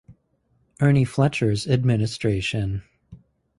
Ernie Fletcher's administration.